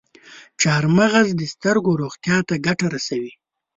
چارمغز د سترګو روغتیا ته ګټه رسوي.